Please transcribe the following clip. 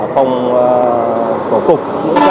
phòng cổ cục